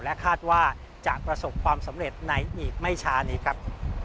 คาดว่าจะประสบความสำเร็จในอีกไม่ช้านี้ครับ